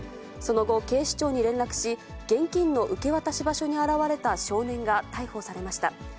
その後、警視庁に連絡し、現金の受け渡し場所に現れた少年が逮捕されました。